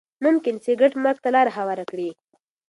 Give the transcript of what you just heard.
ممکن سګریټ مرګ ته لاره هواره کړي.